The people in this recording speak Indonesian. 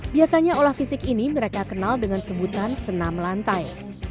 biasanya olah fisik ini mereka kenal dengan sebutan senam lantai